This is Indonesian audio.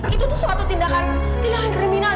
itu tuh suatu tindakan tindakan kriminal